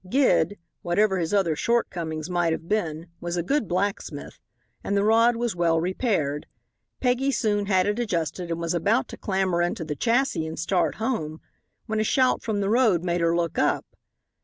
Gid, whatever his other shortcomings might have been, was a good blacksmith, and the rod was well repaired. Peggy soon had it adjusted, and was about to clamber into the chassis and start home when a shout from the road made her look up.